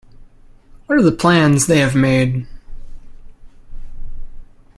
What are the plans they have made?